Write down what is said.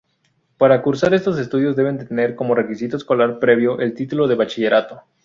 Para cursar estos estudios debe tener como requisito escolar previo el título de Bachillerato.